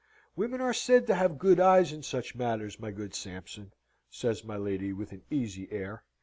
"Women are said to have good eyes in such matters, my good Sampson," says my lady, with an easy air.